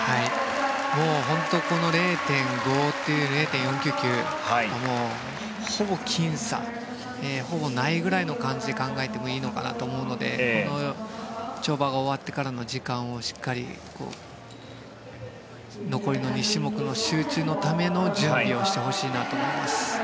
本当にこの０．４９９はほぼきん差ほぼないくらいの感じで考えてもいいのかなと思うので跳馬が終わってからの時間をしっかり残りの２種目の集中のための準備をしてほしいなと思います。